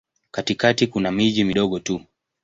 Katikati kuna miji midogo tu.